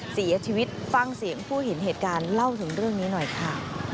เสียชีวิตฟังเสียงผู้เห็นเหตุการณ์เล่าถึงเรื่องนี้หน่อยค่ะ